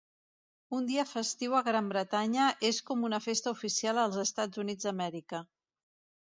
Un dia festiu a Gran Bretanya és com una festa oficial als EUA.